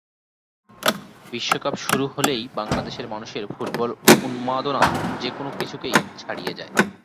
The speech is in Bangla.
বিশ্বকাপ শুরু হলেই বাংলাদেশের মানুষের ফুটবল উন্মাদনা যে কোনো কিছুকেই ছাড়িয়ে যায়।